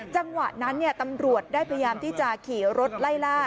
จังหวะนั้นตำรวจได้พยายามที่จะขี่รถไล่ล่า